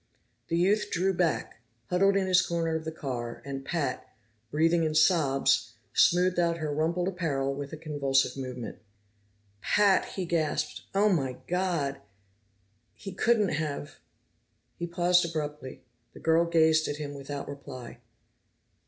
The youth drew back, huddled in his corner of the car, and Pat, breathing in sobs, smoothed out her rumpled apparel with a convulsive movement. "Pat!" he gasped. "Oh, my God! He couldn't have " He paused abruptly. The girl gazed at him without reply.